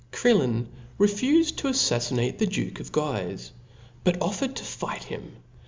Crillon/refufed to aflaffinate the duke of Guife, but offered to fight him.